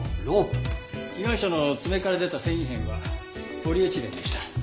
被害者の爪から出た繊維片はポリエチレンでした。